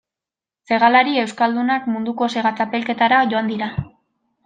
Segalari euskaldunak munduko sega txapelketara joan dira.